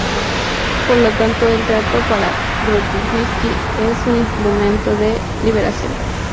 Por lo tanto el teatro para Grotowski es un instrumento de liberación.